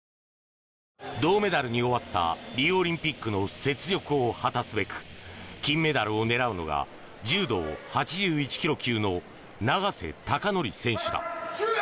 銅メダルに終わったリオオリンピックの雪辱を果たすべく金メダルを狙うのが柔道８１ｋｇ級の永瀬貴規選手だ。